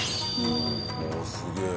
おおすげえ。